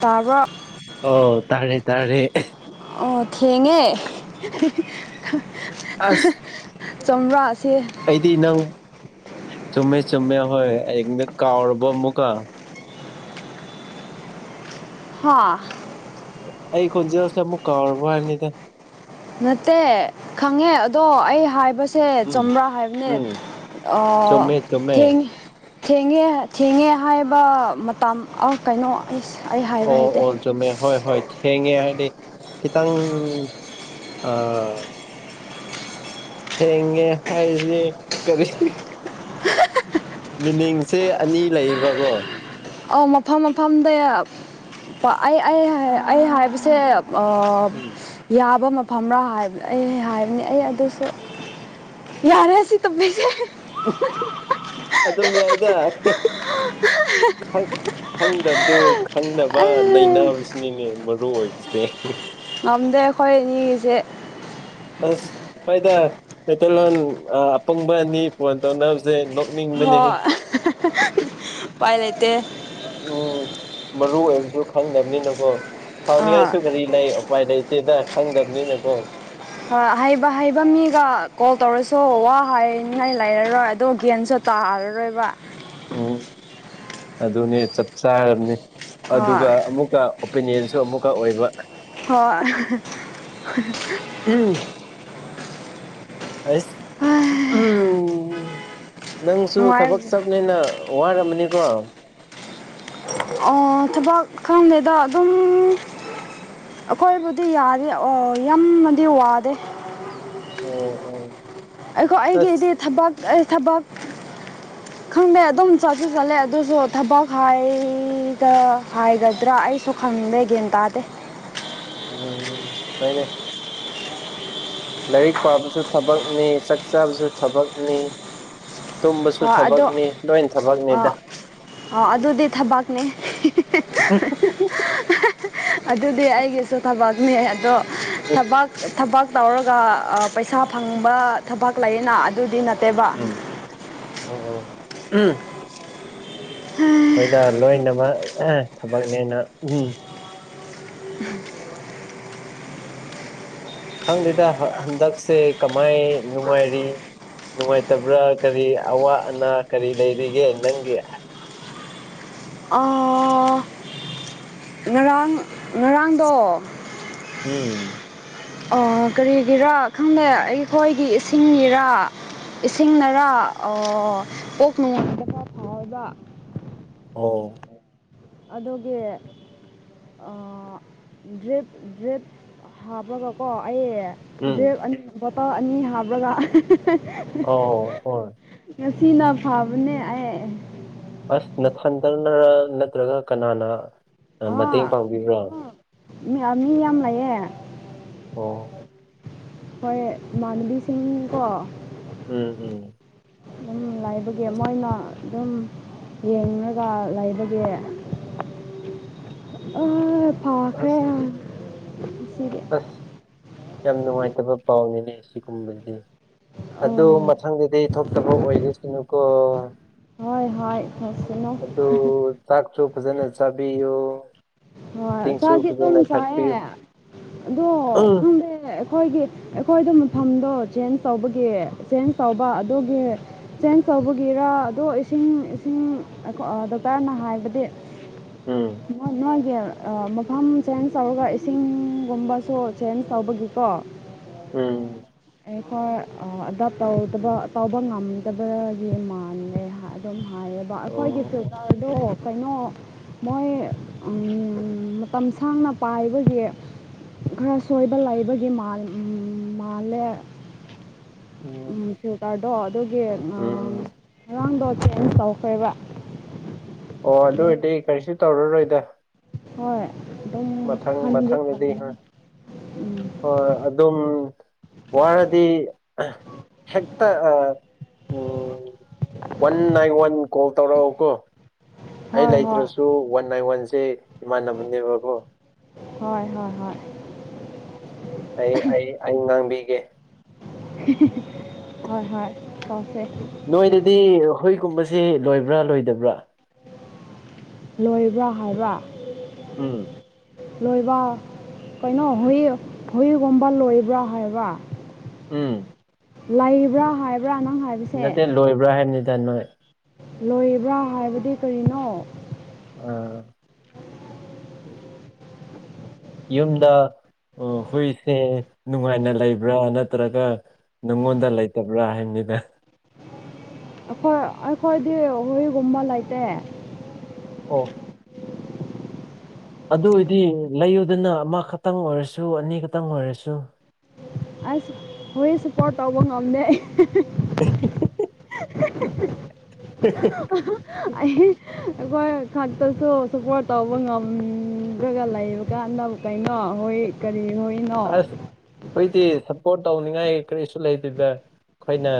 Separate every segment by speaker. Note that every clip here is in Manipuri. Speaker 1: ꯇꯥꯕ꯭ꯔꫭ
Speaker 2: ꯑꯣ ꯇꯥꯔꯦ ꯇꯥꯔꯦ
Speaker 1: ꯑꯣ ꯊꯦꯡꯉꯦ
Speaker 2: ꯑꯁ
Speaker 1: [unintelligible] ꯆꯝꯕ꯭ꯔꯥ ꯑꯁꯤ
Speaker 2: ꯑꯩꯗꯤ ꯅꯪ ꯆꯨꯝꯃꯦ ꯆꯨꯝꯃꯦ ꯍꯣꯏ ꯑꯩ ꯀꯥꯎꯔꯕ ꯑꯃꯨꯛꯀ
Speaker 1: ꯍꯥ
Speaker 2: ꯑꯩ ꯈꯣꯟꯖꯦꯜꯁꯦ ꯑꯃꯨꯛ ꯀꯥꯎꯔꯕ꯭ꯔ ꯍꯥꯏꯕꯅꯤꯗ
Speaker 1: ꯅꯠꯇꯦ ꯈꯪꯉꯦ ꯑꯗꯣ ꯑꯩ ꯍꯥꯏꯕ ꯁꯦ
Speaker 2: ꯎꯝ
Speaker 1: ꯆꯝꯕ꯭ꯔꯥ ꯍꯥꯏꯕꯅꯦ
Speaker 2: ꯎꯝ ꯆꯨꯝꯃꯦ ꯆꯨꯝꯃꯦ
Speaker 1: ꯊꯦꯡ ꯊꯦꯡꯉꯦ ꯊꯦꯡꯉꯦ ꯍꯥꯏꯕ ꯃꯇꯝ ꯀꯩꯅꯣ ꯑꯁ ꯑꯩ ꯍꯥꯏꯕ
Speaker 2: ꯑꯣ
Speaker 1: ꯍꯩꯇꯦ
Speaker 2: ꯑꯣ ꯆꯨꯝꯃꯦ ꯍꯣꯏ ꯍꯣꯏ ꯊꯦꯡꯉꯦ ꯍꯥꯏꯗꯤ ꯈꯤꯇꯪ ꯑꯥ ꯍꯦꯡꯉꯦ ꯍꯥꯏꯔꯤꯁꯤ ꯀꯔꯤ ꯃꯤꯅꯤꯡꯁꯦ ꯑꯅꯤ ꯂꯩꯌꯦꯕꯀꯣ
Speaker 1: ꯑꯧ ꯃꯐꯝ ꯃꯐꯝꯗ ꯑꯩ ꯑꯩ ꯑꯩ ꯍꯥꯏꯕꯁꯦ
Speaker 2: ꯎꯝ
Speaker 1: ꯌꯥꯕ ꯃꯐꯝꯔꯥ ꯍꯥꯏꯕ ꯑꯩ ꯍꯥꯏꯕꯅꯤ ꯑꯩ ꯑꯗꯨꯁꯨ ꯌꯥꯔꯦ ꯁꯤ ꯇꯄꯤꯛꯁꯤ
Speaker 2: [unintelligible] ꯑꯗꯨꯝ ꯌꯥꯏꯗ ꯈꯪ ꯈꯪꯗꯕꯗꯨ ꯈꯪꯗꯅꯕ
Speaker 1: ꯑꯦ
Speaker 2: ꯅꯩꯅꯕꯁꯤꯅꯤꯅꯦ ꯃꯔꯨ ꯑꯣꯏꯕꯁꯦ
Speaker 1: ꯉꯝꯗꯦ ꯑꯩꯈꯣꯏ ꯏꯅꯤꯒꯤꯁꯦ
Speaker 2: ꯑꯁ ꯅꯍꫭꯏꯗ ꯃꯩꯇꯩꯂꯣꯟ ꯑꯄꯪꯕ ꯑꯅꯤ ꯐꯣꯟ ꯇꯧꯅꯕꯁꯦ ꯅꯣꯛꯅꯤꯡꯕꯅꯦꯍꯦ
Speaker 1: ꯍꫭ ꯄꯥꯏ ꯂꯩꯇꯦ
Speaker 2: ꯎꯝ ꯃꯔꯨ ꯑꯣꯏꯕꯁꯨ ꯈꯪꯗꯕꯅꯤꯅꯀꯣ
Speaker 1: ꯑ
Speaker 2: ꯐꯅꯤꯡꯉꯥꯏꯁꯨ ꯀꯔꯤ ꯂꯩ ꯎ ꯄꯥꯏ ꯂꯩꯇꯦꯗ ꯁꯪꯗꯕꯅꯤꯅꯀꯣ
Speaker 1: ꯍꫭꯏ ꯍꯩꯕ ꯍꯩꯕ ꯃꯤꯒ ꯀꯣꯜ ꯇꯧꯔꯁꯨ ꯋꯥ ꯍꯥꯏꯅꯤꯡꯉꯥꯏ ꯂꯩꯔꯔꯣꯏ ꯑꯗꯣ ꯒꯦꯟꯁꯨ ꯇꯥꯔꯔꯣꯏꯕ [unintelligible]
Speaker 2: ꯎꯝ ꯑꯗꯨꯅꯦ ꯆꯞ ꯆꯥꯔꯕꯅꯤ
Speaker 1: ꯍꯣꯏ
Speaker 2: ꯑꯗꯨꯒ ꯑꯃꯨꯛꯀ ꯑꯣꯄꯤꯅꯤꯌꯟꯁꯨ ꯑꯃꯨꯛꯀ ꯑꯣꯏꯕ
Speaker 1: ꯍ‌ꯣꯏ [unintelligible]
Speaker 2: ꯎꯝ ꯑꯩꯁ ꯎꯝ ꯅꯪꯁꯨ
Speaker 1: ꯅꯨꯡꯉꯥꯏ
Speaker 2: ꯊꯕꯛ ꯆꯠꯞꯅꯨꯅꯥ ꯋꯥꯔꯝꯃꯅꯤꯀꯣ
Speaker 1: ꯑꯣ ꯊꯕꯛ ꯈꯗ‌‌ꯦꯗ ꯑꯗꯨꯝ ꯑꯩꯈꯣꯏꯕꯨꯗꯤ ꯌꯥꯗꯦ ꯑꯣ ꯌꯥꯝꯅꯗꯤ ꯋꯥꯗꯦ
Speaker 2: ꯑꯣ ꯑꯣ
Speaker 1: ꯑꯩꯈꯣ ꯑꯩꯒꯤꯗꯤ ꯊꯕꯛ ꯑꯩ ꯊꯕꯛ
Speaker 2: [inaudible]
Speaker 1: ꯈꯪꯗꯦ ꯑꯗꯨꯝ ꯆꯠꯁꯨ ꯆꯠꯂꯦ ꯑꯗꯨꯁꯨ ꯊꯕꯛ ꯍꯥꯏꯒ ꯍꯥꯏꯒꯗ꯭ꯔꯥ ꯑꯩ ꯈꯪꯗꯦ ꯒ꯭ꯌꯥꯟ ꯇꯥꯗꯦ
Speaker 2: ꯎꯝ ꯐꯥꯏꯅꯦ ꯂꯥꯏꯔꯤꯛ ꯄꯥꯕꯁꯨ ꯊꯕꯛꯅꯤ ꯆꯥꯛ ꯆꯥꯕꯁꯨ ꯊꯕꯛꯅꯤ ꯇꯨꯝꯕꯁꯨ
Speaker 1: ꯍꯣꯏ ꯑꯗꯣ
Speaker 2: ꯊꯕꯛꯅꯤ ꯂꯣꯏ ꯊꯕꯛꯅꯤꯗ
Speaker 1: ꯑ ꯑ ꯑꯗꯨꯗꯤ ꯊꯕꯥꯛꯅꯦ ꯑꯗꯨꯗꯤ ꯑꯩꯒꯤꯁꯨ ꯊꯕꯛꯅꯦ ꯑꯗꯣ ꯊꯕꯛ ꯊꯕꯛ ꯇꯧꯔꯒ ꯄꯩꯁꯥ ꯐꯪꯕ ꯊꯕꯛ ꯂꯩꯌꯦꯅ ꯑꯗꯨꯗꯤ ꯅꯠ
Speaker 2: [unintelligible]
Speaker 1: [inaudible]
Speaker 2: ꯍꯣꯏꯗ ꯂꯣꯏꯅꯃꯛ ꯊꯕꯛꯅꯦꯅ ꯎꯝ ꯈꯪꯗꯦꯗ ꯍꯟꯗꯛꯁꯦ ꯀꯃꯥꯏ ꯅꯨꯡꯉꯥꯏꯔꯤ ꯅꯨꯡꯉꯥꯏꯇꯕ꯭ꯔꯥ ꯀꯔꯤ ꯑꯋꯥ ꯑꯅꯥ ꯀꯔꯤ ꯂꯩꯔꯤꯒꯦ ꯅꯪꯒꯤ
Speaker 1: [unintelligible] ꯉꯔꯥꯡ ꯉꯔꯥꯡꯗꯣ
Speaker 2: ꯎꯝ
Speaker 1: ꯑ ꯀꯔꯤꯒꯤꯔꯥ ꯈꯪꯗꯦ ꯑꯩꯈꯣꯏꯒꯤ ꯏꯁꯤꯡꯒꯤꯔꯥ ꯏꯁꯤꯡꯅꯔꯥ ꯀꯣꯛ ꯃꯉꯣꯟꯕꯗ ꯈꯔ ꯐꯥꯎꯕ
Speaker 2: ꯑꯣ
Speaker 1: ꯑꯗꯨꯒꯤ ꯗ꯭ꯔꯤꯞ ꯗ꯭ꯔꯤꯞ ꯍꯥꯞꯄꯔꯒꯀꯣ ꯑꯩ
Speaker 2: ꯎꯝ
Speaker 1: ꯗ꯭ꯔꯦꯛ ꯑꯅꯤ ꯕꯣꯇꯜ ꯑꯅꯤ ꯍꯥꯞꯂꯒ
Speaker 2: ꯑꯧ ꯍꯣꯏ
Speaker 1: ꯉꯁꯤꯅ ꯐꯥꯕꯅꯦ ꯑꯩ ꯫
Speaker 2: ꯑꯁ ꯅꯊꯟꯇꯅꯔ ꯅꯠꯇ꯭ꯔꯒ ꯀꯅꯥꯅ ꯃꯇꯦꯡ
Speaker 1: ꯑꯥ
Speaker 2: ꯄꯥꯡꯕꯤꯕꯔꯣ
Speaker 1: ꯃꯤ ꯌꯥꯝ ꯂꯩꯌꯦ
Speaker 2: ꯑꯣ
Speaker 1: ꯍꯣꯏ ꯃꯥꯟꯕꯤ ꯁꯤꯡꯀꯣ
Speaker 2: ꯎꯝ ꯎꯝ
Speaker 1: ꯑꯗꯨꯝ ꯂꯥꯏꯕꯒꯤ
Speaker 2: ꯑꯁ
Speaker 1: ꯃꯣꯏꯅ ꯑꯗꯨꯝ ꯌꯦꯡꯉꯒ ꯂꯩꯕꯒꯤ ꯐꯥꯎꯈ꯭ꯔꯦ
Speaker 2: ꯑꯁ
Speaker 1: ꯑ ꯉꯁꯤꯗꯤ
Speaker 2: ꯑꯁ ꯌꯥꯝ ꯅꯨꯡꯉꯥꯏꯇꯕ ꯄꯥꯎꯅꯤꯅꯦ ꯁꯤꯒꯨꯝꯕꯁꯤ ꯫ ꯑꯗꯨ
Speaker 1: ꯑꯣ
Speaker 2: ꯃꯊꯪꯗꯗꯤ ꯊꯣꯛꯇꯕ ꯑꯣꯏꯔꯁꯅꯨꯀꯣ
Speaker 1: ꯍ ꯏ ꯐꯁꯤꯅꯣ
Speaker 2: ꯑꯗꯨ ꯆꯥꯛꯁꯨ ꯐꯖꯅ ꯆꯥꯕꯤꯌꯣ ꯫
Speaker 1: ꯍꯣꯏ ꯆꯥ ꯗꯤ ꯑꯗꯨꯝ ꯆꯥꯏꯦ ꯑꯗꯣ
Speaker 2: ꯎꯝ
Speaker 1: ꯈꯪꯗꯦ ꯫ ꯑꯩꯈꯣꯏꯒꯤ ꯑꯩꯈꯣꯏꯗ ꯃꯐꯝꯗꯣ ꯆꯦꯟꯖ ꯇꯧꯕꯒꯤ ꯆꯦꯟꯖ ꯇꯧꯕ ꯑꯗꯨꯒꯤ ꯆꯦꯟꯖ ꯇꯧꯕꯒꯤꯔ ꯑꯗꯣ ꯏꯁꯤꯡ ꯏꯁꯤꯡ ꯗꯣꯛꯇꯔꯅ ꯍꯥꯏꯕꯗꯤ ꯫
Speaker 2: ꯎꯝ
Speaker 1: [inaudible] ꯃꯐꯝ ꯆꯦꯟꯖ ꯇꯧꯔꯒ ꯏꯁꯤꯡꯒꯨꯝꯕꯁꯨ ꯆꯦꯟꯖ ꯇꯧꯕꯒꯤꯀꯣ
Speaker 2: ꯎꯝ
Speaker 1: ꯑꯩꯈꯣꯏ ꯗꯞ ꯇꯧꯗꯕ ꯇꯧꯕ ꯉꯝꯗꯕꯒꯤ ꯃꯥꯟꯂꯦ ꯑꯗꯨꯝ ꯍꯥꯏꯌꯦ
Speaker 2: ꯑꯣ
Speaker 1: ꯑꯩꯈꯣꯏꯒꯤ
Speaker 2: ꯑꯣ
Speaker 1: ꯁꯔꯀꯥꯔꯗꯣ ꯀꯩꯅꯣ ꯃꯣꯏ ꯃꯇꯝ ꯁꯥꯡꯅ ꯄꯥꯏꯕꯒꯤ ꯈꯔ ꯁꯣꯏꯕ ꯂꯩꯕꯒꯤ ꯃꯥꯜ-ꯃꯥꯜꯂꯦ ꯫
Speaker 2: ꯎꯝ
Speaker 1: ꯐ꯭ꯌꯨꯇꯔꯗꯣ ꯑꯗꯨꯒꯤ
Speaker 2: ꯎꯝ
Speaker 1: ꯉꯥꯡꯗꯣ ꯆꯦꯟꯖ ꯇꯧꯈ꯭ꯔꯦꯕ
Speaker 2: ꯑꯣ ꯑꯗꯨ
Speaker 1: ꯑꯗꯣ
Speaker 2: ꯑꯣꯏꯔꯗꯤ ꯀꯔꯤꯁꯨ ꯇꯧꯔꯔꯣꯏꯗ
Speaker 1: ꯍꯣꯏ ꯫
Speaker 2: ꯃꯊꯪ ꯃꯊꯪꯗꯗꯤ ꯍꯣꯏ
Speaker 1: ꯎꯝ
Speaker 2: ꯍꯣꯏ ꯑꯗꯨꯝ ꯋꯥꯔꯗꯤ ꯍꯦꯛꯇ ꯎ ꯋꯥꯟ ꯅꯥꯏꯟ ꯋꯥꯟ ꯀꯣꯜ ꯇꯧꯔꯛ ꯀꯣ ꯑꯩ
Speaker 1: ꯍꯣꯏ ꯍꯣꯏ
Speaker 2: ꯂꯩꯇ꯭ꯔꯁꯨ ꯋꯥꯟ ꯕꯥꯏ ꯋꯥꯟꯁꯦ ꯏꯃꯥꯟꯅꯕꯅꯦꯕꯀꯣ
Speaker 1: ꯍꯣꯏ ꯍꯣꯏ ꯍꯣꯏ
Speaker 2: ꯑꯩ ꯑꯩ ꯑꯩ ꯉꯥꯡꯕꯤꯒꯦ ꯫
Speaker 1: ꯍꯣꯏ ꯍꯣꯏ ꯀꯧꯁꯦ ꯫
Speaker 2: ꯅꯣꯏꯗꯗꯤ ꯍꯨꯏꯒꯨꯝꯕꯁꯤꯦ ꯂꯣꯏꯕ꯭ꯔꯥ ꯂꯣꯏꯗꯕ꯭ꯔꯥ ꯫
Speaker 1: ꯂꯣꯏꯕ ꯍꯥꯏꯕ
Speaker 2: ꯎꯝ
Speaker 1: ꯂꯣꯏꯕ ꯀꯩꯅꯣ ꯍꯨꯏ ꯍꯨꯏꯒꯨꯝꯕ ꯂꯣꯏꯕ꯭ꯔꯥ ꯍꯥꯏꯕ
Speaker 2: ꯎꯝ
Speaker 1: ꯂꯩꯕ꯭ꯔꯥ ꯍꯥꯏꯕ꯭ꯔꯥ ꯅꯪ ꯍꯥꯏꯕꯥ
Speaker 2: ꯅꯠꯇꯦ ꯂꯣꯏꯕ꯭ꯔꯥ ꯍꯥꯏꯕꯅꯤꯗ ꯅꯣꯏ
Speaker 1: ꯂꯣꯏꯔꯕ꯭ꯔꯥ ꯍꯥꯏꯕꯗꯤ ꯀꯔꯤꯅꯣ ꯫
Speaker 2: ꯑꯥ ꯫ ꯌꯨꯝꯗ ꯍꯨꯏꯁꯦ ꯅꯨꯡꯉꯥꯏꯅ ꯂꯩꯕ꯭ꯔꯥ ꯅꯠꯇ꯭ꯔꯒ ꯅꯪꯉꯣꯟꯗ ꯂꯩꯇꯕ꯭ꯔꯥ ꯍꯥꯏꯕꯅꯤꯗ ꯫
Speaker 1: ꯑꯩꯈꯣꯏ ꯑꯩꯈꯣꯏꯗꯤ ꯍꯨꯏꯒꯨꯝꯕ ꯂꯩꯇꯦ
Speaker 2: ꯑꯣ ꯑꯗꯨ ꯑꯣꯏꯗꯤ ꯂꯩꯌꯨꯗꯅ ꯑꯃ ꯈꯛꯇꯪ ꯑꯣꯏꯔꯁꯨ ꯑꯅꯤ ꯈꯛꯇꯪ ꯑꯣꯏꯔꯁꯨ ꯫
Speaker 1: ꯑꯁ ꯍꯣꯏ ꯁꯄꯣꯔꯠ ꯇꯧꯕ ꯉꯝꯗꯦ ꯑꯩ
Speaker 2: ꯍꯦ-ꯍꯦ-ꯍꯦ-ꯍꯦ-ꯍꯦ-ꯍꯦ-ꯍꯦ-ꯍꯦ
Speaker 1: ꯑꯩ ꯑꯩꯈꯣꯏ ꯈꯛꯇꯁꯨ ꯁꯄꯣꯔꯠ ꯇꯧꯕ ꯉꯝꯂꯒ ꯂꯩꯕ ꯀꯥꯟꯅꯕ ꯀꯩꯅꯣ ꯍꯣꯏ ꯀꯔꯤ ꯍꯣꯏꯅꯣ
Speaker 2: ꯑꯁ ꯑꯩꯈꯣꯏꯗꯤ ꯁꯞꯄꯣꯔꯠ ꯇꯧꯅꯤꯡꯉꯥꯏ ꯀꯔꯤꯁꯨ ꯂꯩꯇꯦꯗ ꯫ ꯑꯩꯈꯣꯏꯅ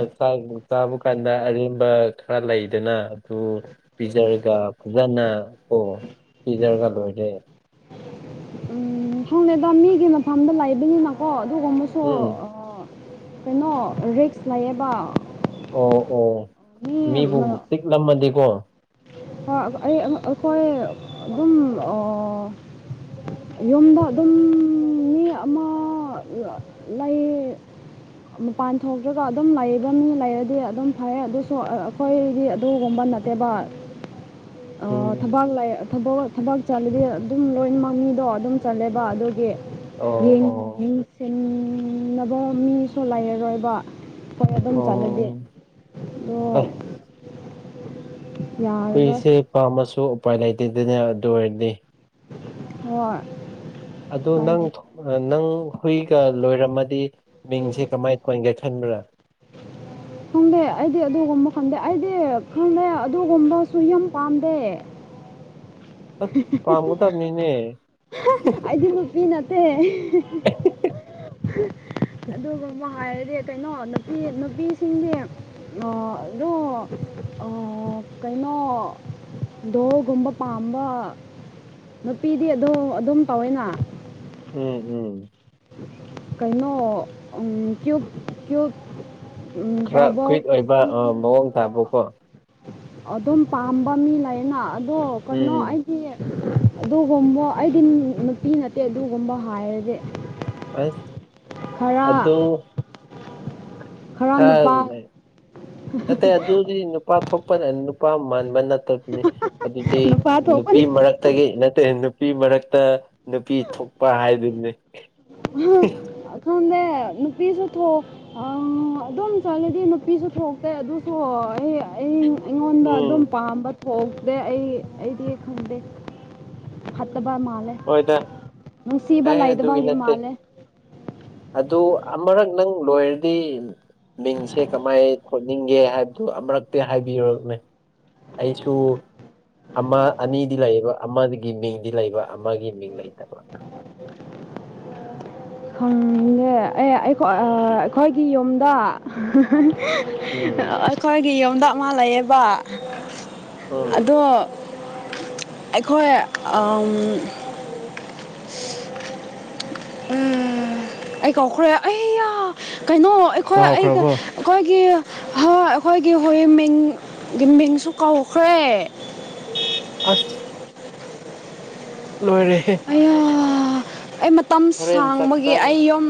Speaker 2: ꯆꯥꯕ ꯀꯥꯟꯗ ꯑꯔꯦꯝꯕ ꯈꯔ ꯂꯩꯗꯅ ꯑꯗꯨ ꯫ ꯄꯤꯖꯔꯒ ꯐꯖꯅ ꯀꯣ ꯄꯤꯖꯔꯒ ꯂꯣꯏꯔꯦ
Speaker 1: ꯍꯪꯅꯗ ꯃꯤꯒꯤ ꯃꯐꯝꯗ ꯂꯩꯕꯅꯤꯅꯀꯣ ꯑꯗꯨꯒꯨꯝꯕꯁꯨ
Speaker 2: ꯎꯝ
Speaker 1: ꯀꯩꯅꯣ ꯔꯤꯛꯁ ꯂꯩꯌꯦꯕ
Speaker 2: ꯑꯣ ꯑꯣ
Speaker 1: ꯃꯤ
Speaker 2: ꯃꯤꯕꯨ ꯄꯤꯛꯂꯝꯃꯗꯤꯀꯣ
Speaker 1: ꯑꯩ ꯑꯩꯈꯣꯏ ꯑꯗꯨꯝ ꯌꯨꯝꯗ ꯑꯗꯨꯝ ꯃꯤ ꯑꯃ ꯂꯩ ꯃꯄꯥꯟ ꯊꯣꯛꯇ꯭ꯔꯒ ꯑꯗꯨꯝ ꯂꯩꯕ ꯃꯤ ꯂꯩꯔꯗꯤ ꯑꯗꯨꯝ ꯐꯩ ꯑꯗꯨꯁꯨ ꯫ ꯑꯩꯈꯣꯏꯗꯤ ꯑꯗꯨꯒꯨꯝꯕ ꯅꯠꯇꯦꯕ
Speaker 2: ꯎꯝ
Speaker 1: ꯊꯕꯛ ꯂꯩ ꯫ ꯊꯕꯛ ꯊꯕꯛ ꯆꯠꯂꯗꯤ ꯑꯗꯨꯝ ꯂꯣꯏꯅꯃꯛ ꯃꯤꯗꯣ ꯑꯗꯨꯝ ꯆꯜꯂꯦꯕ ꯑꯗꯨꯒꯤ ꯫
Speaker 2: ꯑꯣ ꯑꯣ
Speaker 1: ꯌꯦꯡꯁꯤꯕ ꯃꯤꯁꯨ ꯂꯩꯔꯔꯣꯏꯕ ꯄꯔ ꯑꯗꯨꯝ ꯆꯥꯟꯂꯗꯤ
Speaker 2: ꯑꯣ
Speaker 1: ꯑꯣ
Speaker 2: ꯑꯁ
Speaker 1: ꯌꯥꯔꯔꯣꯏ
Speaker 2: ꯍꯨꯏꯁꯦ ꯄꯥꯝꯃꯁꯨ ꯎꯄꯥꯏ ꯂꯩꯇꯦꯗꯅꯦ ꯑꯗꯨ ꯑꯣꯏꯔꯗꯤ
Speaker 1: ꯍ
Speaker 2: ꯑꯗꯨꯗ ꯅꯪ ꯅꯪ ꯍꯨꯏꯒ ꯂꯣꯏꯔꯝꯃꯗꯤ ꯃꯤꯡꯁꯦ ꯀꯃꯥꯏꯅ ꯇꯧ ꯑꯩꯈꯣꯏꯒꯥꯏ ꯈꯟꯗ꯭ꯔꯥ
Speaker 1: ꯈꯪꯗꯦ ꯑꯩꯗꯤ ꯑꯗꯨꯒꯨꯝꯕ ꯈꯪꯗꯦ ꯑꯩꯗꯤ ꯈꯪꯗꯦ ꯑꯗꯨꯒꯨꯝꯕꯁꯨ ꯌꯥꯝ ꯄꯥꯝꯗꯦ ꯍꯦ-ꯍꯦ-ꯍꯦ-ꯍꯦ
Speaker 2: ꯑ
Speaker 1: [unintelligible]
Speaker 2: [unintelligible]
Speaker 1: ꯑꯩꯗꯤ ꯅꯨꯄꯤ ꯅꯠꯇꯦ ꯑꯗꯨꯒ ꯍꯥꯏꯔꯗꯤ ꯀꯩꯅꯣ ꯅꯨꯄꯤ ꯅꯨꯄꯤꯁꯤꯡꯗꯤ ꯑꯗꯨꯗꯣ ꯀꯩꯅꯣ ꯗꯣꯜꯒꯨꯝꯕ ꯄꯥꯝꯕ ꯅꯨꯄꯤꯗꯤ ꯑꯗꯨꯣ ꯑꯗꯨꯝ ꯇꯧꯏꯅꯥ ꯫
Speaker 2: ꯎꯝ ꯎꯝ ꯫
Speaker 1: ꯀꯩꯅꯣ ꯀ꯭ꯌꯨꯕ ꯀ꯭ꯌꯨꯕ ꯇꯧꯕ ꯫
Speaker 2: ꯀꯣꯡ ꯊꯕꯣꯛ ꯀꯣ ꯫
Speaker 1: ꯑꯗꯨꯝ ꯄꯥꯝꯕ ꯃꯤ ꯂꯩꯅ ꯑꯗꯣ ꯀꯩꯅꯣ
Speaker 2: ꯎꯝ
Speaker 1: ꯑꯩ ꯑꯗꯨꯒꯨꯝꯕ ꯑꯩꯗꯤ ꯅꯨꯄꯤ ꯅꯠꯇꯦ ꯑꯗꯨꯒꯨꯝꯕ ꯍꯥꯏꯔꯗꯤ ꯫
Speaker 2: ꯍ
Speaker 1: ꯈꯔ ꯈꯔ ꯅꯨꯄꯥ
Speaker 2: [inaudible] ꯑꯗꯨꯗꯤ ꯅꯨꯄꯥ ꯊꯣꯛꯄꯅ ꯅꯨꯄꯥ ꯃꯥꯟꯕ ꯅꯠꯇꯕꯅꯤ ꯑꯗꯨꯗꯤ
Speaker 1: ꯅꯨꯄꯥ
Speaker 2: ꯅꯨꯄꯤ
Speaker 1: ꯊꯣꯛꯄꯅꯤ
Speaker 2: ꯃꯔꯛ ꯇꯒꯤ ꯅꯠꯇꯦ ꯅꯨꯄꯤ ꯃꯔꯛꯇ ꯅꯨꯄꯤ ꯊꯣꯛꯄ ꯍꯥꯏꯗꯨꯅꯤ
Speaker 1: ꯗꯦ [inaudible] ꯅꯨꯄꯤꯁꯨ ꯊꯣ ꯑꯗꯨꯝ ꯆꯠꯂꯗꯤ ꯅꯨꯄꯤꯁꯨ ꯊꯣꯛꯇꯦ ꯑꯗꯨꯁꯨ ꯑꯩ ꯑꯩ ꯫ ꯑꯩꯉꯣꯟꯗ
Speaker 2: ꯎꯝ
Speaker 1: ꯑꯗꯨꯝ ꯄꯥꯝꯕ ꯊꯣꯛꯇꯦ ꯑꯩ ꯑꯩꯗꯤ ꯈꯪꯗꯦ ꯐꯠꯇꯕ ꯃꯥꯜꯂꯦ ꯫
Speaker 2: ꯍꯣꯏꯗ ꯫
Speaker 1: ꯅꯨꯡꯁꯤꯕ ꯂꯩꯗꯕ ꯍꯧꯥꯎꯗꯤ ꯃꯥꯜꯂꯦ
Speaker 2: ꯑꯗꯨ ꯑꯃꯔꯛ ꯅꯪ ꯂꯣꯏꯔꯗꯤ ꯫ ꯃꯤꯡꯁꯦ ꯀꯃꯥꯏ ꯊꯣꯅꯤꯡꯒꯦ ꯍꯥꯏꯕꯗꯨꯣ ꯑꯃꯨꯔꯛꯇꯤ ꯍꯥꯏꯕꯤꯔꯨꯅꯦ ꯑꯩꯁꯨ ꯑꯃ ꯑꯅꯤꯗꯤ ꯂꯩꯌꯦꯕ ꯑꯃꯗꯒꯤ ꯃꯤꯡꯗꯤ ꯂꯩꯕ ꯫ ꯑꯃꯒꯤ ꯃꯤꯡ ꯂꯩꯇꯕ
Speaker 1: ꯈꯪꯉꯦ ꯑꯦ ꯑꯩꯈꯣꯢ ꯑ ꯑꯩꯈꯣꯢꯒꯤ ꯌꯨꯝꯗ
Speaker 2: ꯎꯝ
Speaker 1: ꯑꯩꯈꯣꯏꯒꯤ ꯌꯨꯝꯗꯥ ꯃꯥ ꯂꯩꯌꯦꯕꯥ
Speaker 2: ꯎꯝ
Speaker 1: ꯑꯗꯣ꯫ ꯑꯩꯈꯣꯏ꯫ ꯎ ꯑꯩ ꯀꯧꯈ꯭ꯔꯦ ꯑꯩ ꯀꯩꯅꯣ ꯑꯩꯈꯣꯏ ꯑꯩꯒ꯫
Speaker 2: ꯀꯥꯎꯈ꯭ꯔꯕꯣ
Speaker 1: ꯑꯩꯈꯣꯏꯒꯤ ꯍ ꯑꯩꯈꯣꯏꯒꯤ ꯍꯣꯏ ꯃꯤꯡꯒꯤ ꯃꯤꯡꯁꯨ ꯀꯧꯈ꯭ꯔꯦ꯫
Speaker 2: ꯑꯁ ꯂꯣꯏꯔꯦꯍꯦ꯫
Speaker 1: ꯑꯩꯌꯥ ꯑꯩ ꯃꯇꯝ
Speaker 2: ꯍꯣꯔꯦꯟ ꯆꯥꯛ
Speaker 1: ꯁꯥꯡꯕꯒꯤ
Speaker 2: ꯆꯥꯅꯤ
Speaker 1: ꯑꯩ ꯌꯨꯝ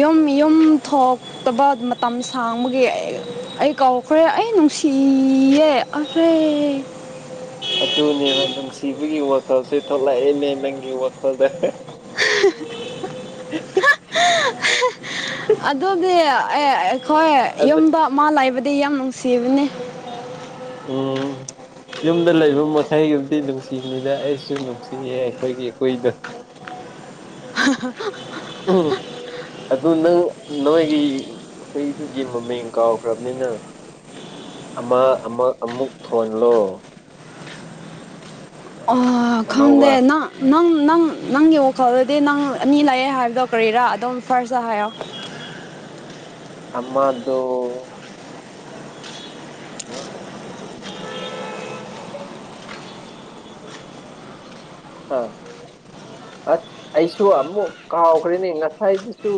Speaker 1: ꯌꯨꯝ ꯌꯨꯝ ꯊꯣꯛ ꯇꯕ ꯃꯇꯝ ꯁꯥꯡꯕꯒꯤ ꯑꯩ ꯀꯥꯎꯈ꯭ꯔꯦ ꯑꯩ ꯅꯨꯡꯁꯤꯌꯦ꯫ ꯑꯐ꯭ꯔꯦꯠ
Speaker 2: ꯑꯗꯨꯅꯦꯕ ꯅꯨꯡꯁꯤꯕꯒꯤ ꯋꯥꯈꯜꯁꯦ ꯊꯣꯛꯂꯛꯑꯦꯅꯦ ꯅꯪꯒꯤ ꯋꯥꯈꯜꯗ꯫
Speaker 1: ꯑꯗꯨꯗꯤ ꯑꯦ ꯑꯩꯈꯣꯏ
Speaker 2: ꯑꯗꯨ
Speaker 1: ꯌꯨꯝꯗ ꯃꯥ ꯂꯥꯛꯏꯕꯗꯤ ꯌꯥꯝ ꯅꯨꯡꯁꯤꯕꯅꯤ꯫
Speaker 2: ꯑꯣ ꯌꯨꯝꯗ ꯂꯩꯕ ꯃꯈꯩꯗꯨꯗꯤ ꯅꯨꯡꯁꯤꯕꯅꯤꯅ ꯑꯩꯁꯨ ꯅꯨꯡꯁꯤꯌꯦ ꯑꯩꯈꯣꯢꯒꯤ ꯍꯨꯢꯗꯣ꯫
Speaker 1: ꯍꯥ ꯍꯥ
Speaker 2: ꯎꯝ꯫ ꯑꯗꯨ ꯅꯪ ꯅꯣꯏꯒꯤ ꯍꯨꯏꯗꯨꯒꯤ ꯃꯃꯤꯡ ꯀꯥꯎꯈ꯭ꯔꯕꯅꯤꯅꯪ꯫ ꯑꯃ ꯑꯃ ꯑꯃꯨꯛ ꯊꯣꯜꯂꯣ
Speaker 1: ꯑꯣ
Speaker 2: ꯑꯅꯧꯕ
Speaker 1: ꯈꯪꯗ ꯅ ꯅꯪ ꯅꯪ ꯅꯪꯒꯤ ꯋꯥꯈꯜꯗꯗꯤ ꯅꯪ ꯑꯅꯤ ꯂꯥꯛꯑꯦ ꯍꯥꯏꯕꯗꯣ ꯀꯔꯤꯔꯥ ꯑꯗꯨꯝ ꯐꯥꯔꯁ ꯍꯥꯏꯌꯣ꯫
Speaker 2: ꯑꯃꯗꯣ ꯀ ꯀꯥꯏꯁꯤ ꯂꯦ ꯇ ꯌꯥ ꯑꯥ ꯑꯁ ꯑꯩꯁꯨ ꯑꯃꯨꯛ ꯀꯥꯎꯈ꯭ꯔꯦꯅꯤ ꯉꯁꯥꯏꯗꯨꯁꯨ꯫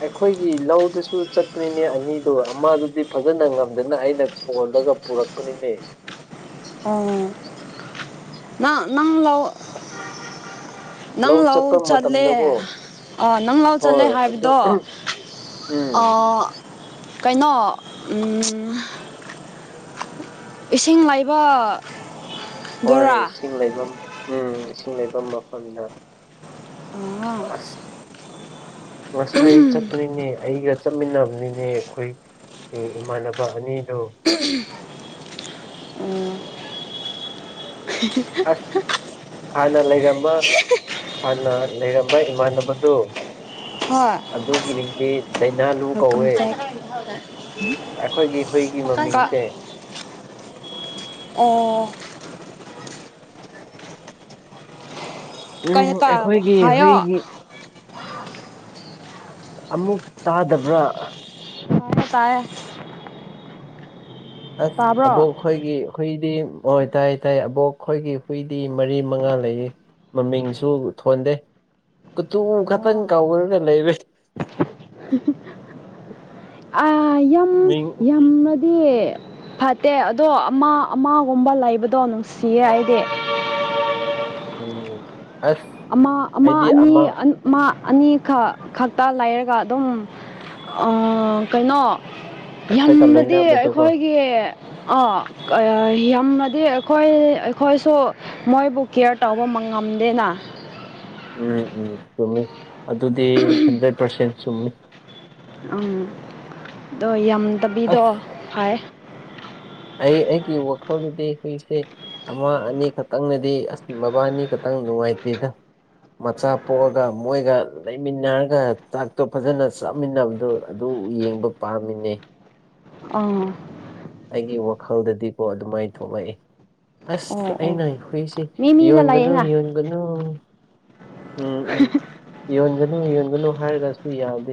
Speaker 2: ꯑꯩꯈꯣꯢꯒꯤ ꯂꯧꯗꯁꯨ ꯆꯠꯄꯅꯤꯅꯦ ꯑꯅꯤꯗꯨ ꯑꯃꯗꯨꯗꯤ ꯐꯖꯅ ꯉꯝꯗꯅ ꯑꯩꯅ ꯀꯣꯜꯂꯒ ꯄꯨꯔꯛꯄꯅꯤꯅꯦ꯫
Speaker 1: ꯑ ꯅ ꯅꯪ ꯂꯧ꯫ ꯅꯪ ꯂꯧ
Speaker 2: ꯆꯠꯄ
Speaker 1: ꯆꯠꯂꯦ
Speaker 2: ꯃꯇꯝꯗꯀꯣ
Speaker 1: ꯑꯥ ꯅꯪ ꯂꯧ ꯆꯠꯂꯦ
Speaker 2: ꯍꯣꯏ ꯑꯗꯨ
Speaker 1: ꯍꯥꯏꯕꯗꯣ꯫
Speaker 2: ꯎꯝ
Speaker 1: ꯑꯥ ꯀꯩꯅꯣ ꯎꯝ꯫ ꯏꯁꯤꯡ ꯂꯩꯥꯏꯕ꯫
Speaker 2: ꯍꯣꯏꯣꯏ ꯏꯁꯤꯡ ꯂꯩꯐꯝ ꯎꯝ ꯏꯁꯤꯡ ꯂꯩꯐꯝ ꯃꯐꯝꯗ꯫
Speaker 1: ꯑ
Speaker 2: ꯑꯁ ꯉꯁꯥꯏ ꯆꯠ꯫ ꯄꯅꯤꯅꯦ ꯑꯩꯒ ꯆꯠꯃꯤꯟꯅꯕꯅꯤꯅꯦ ꯈꯣꯢ ꯏ ꯏꯃꯥꯟꯅꯕ ꯑꯅꯤꯗꯣ꯫
Speaker 1: ꯑꯣ
Speaker 2: ꯑꯁ ꯍꯥꯟꯅ ꯂꯩꯔꯝꯕ ꯍꯥꯟꯅ ꯂꯩꯔꯝꯕ ꯏꯃꯥꯟꯅꯕꯗꯣ ꯫
Speaker 1: ꯍꯣꯏ
Speaker 2: ꯑꯗꯨꯒꯤ ꯃꯤꯡꯗꯤ ꯗꯥꯏꯅꯥꯂꯨ
Speaker 1: ꯋꯦꯜꯀꯝ
Speaker 2: ꯀꯧꯋꯦ꯫
Speaker 1: ꯕꯦꯛ
Speaker 2: ꯑꯩꯈꯣꯏꯒꯤ ꯍꯨꯏꯒꯤ ꯃꯃꯤꯡꯁꯦ
Speaker 1: ꯑꯥ
Speaker 2: ꯎꯝ
Speaker 1: ꯀꯩꯅꯣ ꯇꯥ
Speaker 2: ꯑꯩꯈꯣꯢꯒꯤ
Speaker 1: ꯍꯥꯏꯌꯣ
Speaker 2: ꯍꯨꯢꯒꯤ ꯑꯃꯨꯛ ꯇꯥꯗꯕ꯭ꯔꯥ꯫
Speaker 1: ꯇꯥꯢꯌꯦ ꯇꯥꯢꯌꯦ
Speaker 2: ꯑꯁ
Speaker 1: ꯇꯥꯕ꯭ꯔꯣ
Speaker 2: ꯑꯕꯣꯛ ꯈꯣꯢꯒꯤ ꯍꯨꯢꯗꯤ ꯑꯣꯢ ꯇꯥꯢꯌꯦ ꯇꯥꯢꯌꯦ ꯑꯕꯣꯛ ꯑꯩꯈꯣꯢꯒꯤ ꯍꯨꯢꯗꯤ ꯃꯔꯤ ꯃꯉꯥ ꯂꯩꯌꯦ꯫ ꯃꯃꯤꯡꯁꯨ ꯊꯣꯟꯗꯦ ꯀꯨꯇꯨ ꯈꯛꯇꯪ ꯀꯥꯎꯈꯔꯒ ꯂꯩꯔꯦ꯫
Speaker 1: ꯑ ꯌ
Speaker 2: ꯃꯤꯡ
Speaker 1: ꯌꯥꯝ꯫ ꯄꯤꯌꯦ ꯐꯥꯠꯇꯦ ꯑꯗꯣ ꯑꯃ ꯑꯃꯒꯨꯝꯕ ꯂꯩꯕꯗꯣ ꯅꯨꯡꯁꯤꯌꯦ ꯑꯩꯗꯦ꯫
Speaker 2: ꯎꯝ ꯑꯁ
Speaker 1: ꯑꯃ ꯑꯃ ꯑꯅꯤ ꯑꯃ ꯑꯅꯤ ꯈ ꯈꯛꯇ ꯂꯩꯔꯒ ꯑꯗꯨꯝ ꯑ ꯀꯩꯅꯣ
Speaker 2: ꯑꯩꯈꯣꯏꯒ
Speaker 1: ꯌꯝꯂꯗꯤ
Speaker 2: ꯂꯣꯏꯅꯕꯗꯣꯀꯣ
Speaker 1: ꯑꯩꯈꯣꯢꯒꯤ ꯑꯥ ꯌꯥꯝꯅꯗꯤ ꯑꯩꯈꯣꯏ ꯑꯩꯈꯣꯏꯁꯨ ꯃꯣꯏꯕꯨ ꯀꯦꯌꯔ ꯇꯧꯕ ꯃꯉꯝꯗꯦꯅ꯫
Speaker 2: ꯎꯝ ꯎꯝ ꯆꯨꯝꯃꯤ ꯑꯗꯨꯗꯤ ꯍꯟꯗ꯭ꯔꯦꯠ ꯄꯔꯁꯦꯟ ꯆꯨꯝꯃꯤ꯫
Speaker 1: ꯑꯪ ꯗꯣ ꯌꯥꯝꯗꯕꯤꯗꯣ
Speaker 2: ꯑꯁ
Speaker 1: ꯐꯥꯢꯌꯦ꯫
Speaker 2: ꯑꯩ ꯑꯩꯒꯤ ꯋꯥꯈꯜꯗꯨꯗꯤ ꯑꯩꯈꯣꯏꯁꯦ ꯑꯃ ꯑꯅꯤ ꯈꯛꯇꯪꯅꯗꯤ ꯑꯁ ꯃꯕꯥ ꯑꯅꯤ ꯈꯛꯇꯪ ꯅꯨꯡꯉꯥꯏꯇꯦꯗ꯫ ꯃꯆꯥ ꯄꯣꯛꯑꯒ ꯃꯣꯏꯒ ꯂꯩꯃꯤꯟꯅꯔꯒ ꯆꯥꯛꯇꯣ ꯐꯖꯅ ꯆꯥꯃꯤꯟꯅꯕꯗꯨ꫰ ꯑꯗꯨ ꯌꯦꯡꯕ ꯄꯥꯝꯃꯤꯅꯦ
Speaker 1: ꯑꯥ꯫
Speaker 2: ꯑꯩꯒꯤ ꯋꯥꯈꯜꯗꯗꯤꯀꯣ ꯑꯗꯨꯃꯥꯢ ꯊꯣꯛꯂꯛꯑꯦ꯫ ꯑꯁ
Speaker 1: ꯑꯣ ꯑꯣ
Speaker 2: ꯑꯩꯅ ꯍꯨꯏꯁꯦ
Speaker 1: ꯃꯤ ꯃꯤꯗ
Speaker 2: ꯌꯣꯟꯒꯅꯨ
Speaker 1: ꯂꯩꯌꯦꯅ
Speaker 2: ꯌꯣꯟꯒꯅꯨ꯫ ꯎꯝ ꯎꯝ ꯌꯣꯟꯒꯅꯨ ꯌꯣꯟꯒꯅꯨ ꯍꯥꯏꯔꯒꯁꯨ ꯌꯥꯗꯦ